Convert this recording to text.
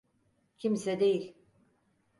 Kimse değil.